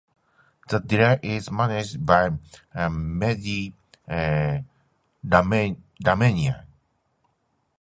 The daily is managed by Mehdi Rahmanian.